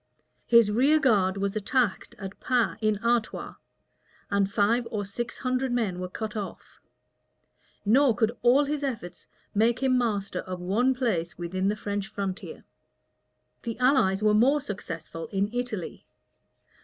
His rear guard was attacked at Pas, in Artois, and five or six hundred men were cut off; nor could all his efforts make him master of one place within the French frontier. The allies were more successful in Italy.